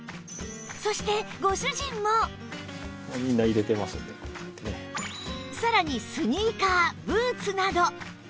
そしてさらにスニーカーブーツなど